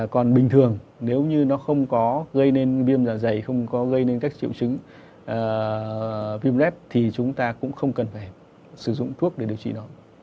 còn bình thường nếu như nó không có gây nên viêm dạ dày không có gây nên các triệu chứng viêm lết thì chúng ta cũng không cần phải sử dụng thuốc để điều trị nó